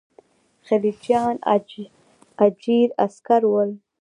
خلجیان اجیر عسکر ول.